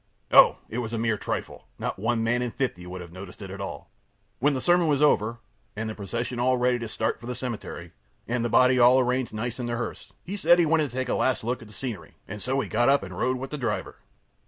A. Oh! it was a mere trifle! Not one man in fifty would have noticed it at all. When the sermon was over, and the procession all ready to start for the cemetery, and the body all arranged nice in the hearse, he said he wanted to take a last look at the scenery, and so he got up and rode with the driver.